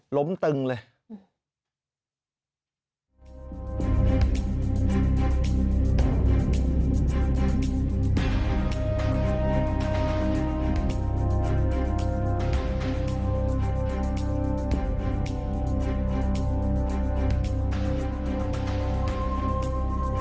หลมตึงเลย